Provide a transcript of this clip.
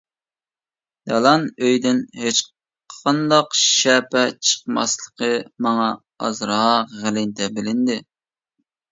دالان ئۆيدىن ھېچقانداق شەپە چىقماسلىقى ماڭا ئازراق غەلىتە بىلىندى.